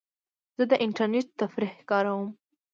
زه د انټرنیټ تفریح کاروم.